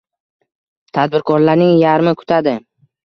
Tadbirkorlarning yarmi kutadi.